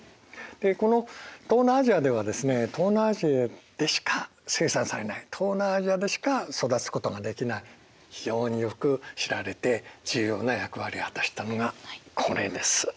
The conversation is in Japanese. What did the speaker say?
でこの東南アジアではですね東南アジアでしか生産されない東南アジアでしか育つことができない非常によく知られて重要な役割を果たしたのがこれです。